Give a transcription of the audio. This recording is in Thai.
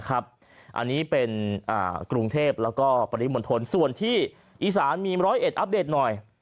อันนี้เป็นกรุงเทพฯและปริมณฐลส่วนที่อีสานมีร้อยเอ็ดอัพเดทหน่อย